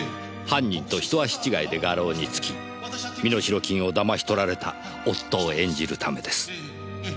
犯人と一足違いで画廊に着き身代金を騙し取られた夫を演じるためです。